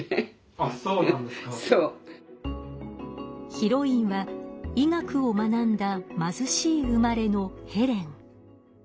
ヒロインは医学を学んだ貧しい生まれのヘレン。